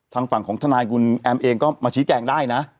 ทางฝั่งของทนายคุณแอมเองก็มาชี้แจงได้นะ